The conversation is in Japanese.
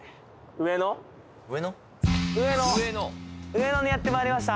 上野上野にやってまいりました